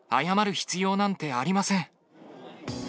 謝る必要なんてありません。